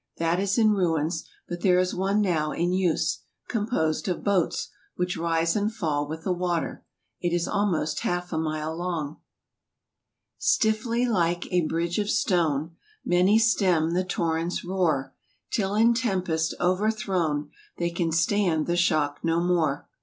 That is in ruins; but there is one now in use, composed of boats, which rise and fall with the water. It is almost half a mile long. AUSTRIA. 63 Stillly like a bridge of stone, Many stem the torrent's roar ; Till in tempest overthrown They can stand the shock no more.